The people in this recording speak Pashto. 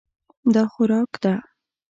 دا خوراک ده.